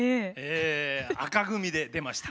紅組で出ました。